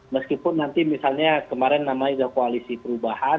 meskipun nanti misalnya kemarin namanya sudah koalisi perubahan